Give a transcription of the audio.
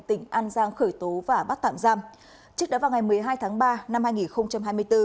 tỉnh an giang khởi tố và bắt tạm giam trước đó vào ngày một mươi hai tháng ba năm hai nghìn hai mươi bốn